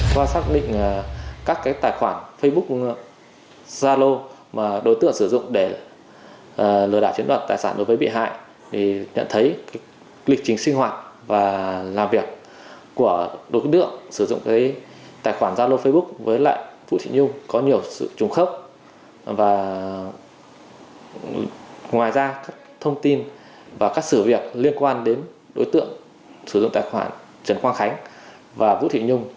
qua xác định các cái tài khoản facebook zalo mà đối tượng sử dụng để lừa đảo chiến đoạt tài sản đối với bị hại thì nhận thấy lịch trình sinh hoạt và làm việc của đối tượng sử dụng cái tài khoản zalo facebook với lại vũ thị nhung có nhiều sự trùng khớp và ngoài ra các thông tin và các sử việc liên quan đến đối tượng sử dụng tài khoản trần quang khánh và vũ thị nhung